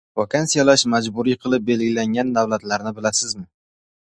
Vaksinasiyalash majburiy qilib belgilangan davlatlarni bilasizmi?